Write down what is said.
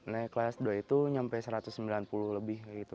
naik kelas dua itu nyampe satu ratus sembilan puluh lebih gitu